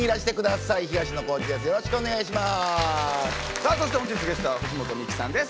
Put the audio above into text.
さあそして本日ゲストは藤本美貴さんです。